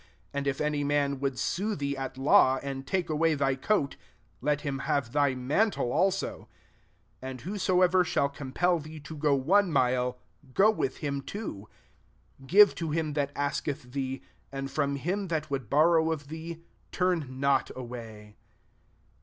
40 And if any man would sue thee at law, and take away thy coat, let him have/Az/ mantle also. 41 And whosoever shall compel thee io go one mile, go with him two. 42 Give to him that ask eth thee; and from him that would borrow of thee, turn not away.